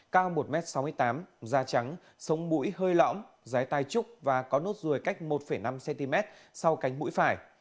cao một m sáu mươi tám da trắng sống mũi hơi lõng giá tay trúc và có nốt ruồi cách một năm cm sau cánh mũi phải